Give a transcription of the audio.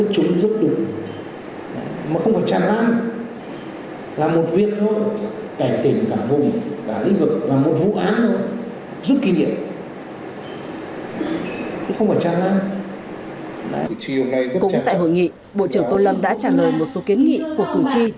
cũng tại hội nghị bộ trưởng tô lâm đã trả lời một số kiến nghị của cử tri